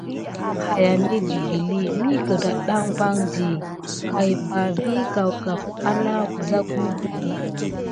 Aya midi guəli mi kədaɗɗan vandi kay ɓa vi kawgap ana wəza guguhə.